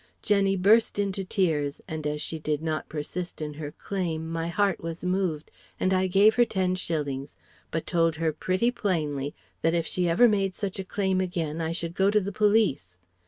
Jenny burst into tears, and as she did not persist in her claim my heart was moved, and I gave her ten shillings, but told her pretty plainly that if she ever made such a claim again I should go to the police.